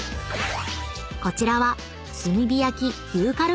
［こちらは］